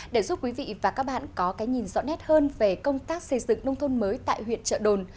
để giúp quý vị và các bạn có cái nhìn rõ nét hơn về công tác xây dựng nông thôn mới tại huyện trợ đồn